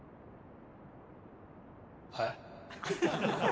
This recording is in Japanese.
はい？